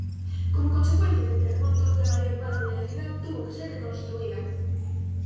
Como consecuencia del terremoto, la mayor parte de la ciudad tuvo que ser reconstruida.